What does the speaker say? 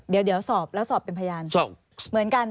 เดี๋ยวสอบแล้วสอบเป็นพยานเหมือนกัน